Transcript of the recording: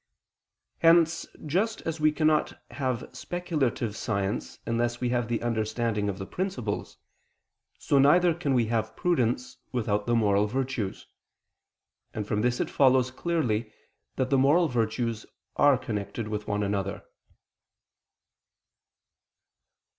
Hence, just as we cannot have speculative science unless we have the understanding of the principles, so neither can we have prudence without the moral virtues: and from this it follows clearly that the moral virtues are connected with one another.